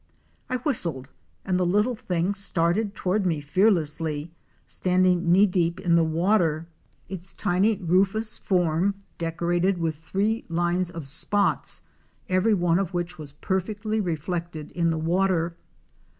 I whistled and the little thing started toward me fearlessly, standing knee deep in the water, its tiny rufous form decor 320 OUR SEARCH FOR A WILDERNESS. ated with three lines of spots, every one of which was perfectly reflected in the water.